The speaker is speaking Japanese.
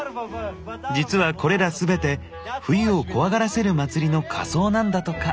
実はこれら全て冬を怖がらせる祭りの仮装なんだとか。